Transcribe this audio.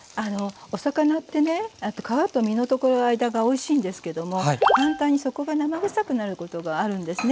お魚ってね皮と身のところ間がおいしいんですけども反対にそこが生ぐさくなることがあるんですね。